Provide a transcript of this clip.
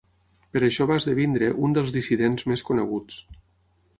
Per això va esdevenir un dels dissidents més coneguts.